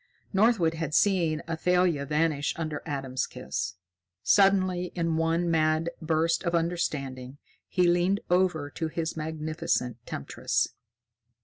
Northwood had seen Athalia vanish under Adam's kiss. Suddenly, in one mad burst of understanding, he leaned over to his magnificent temptress.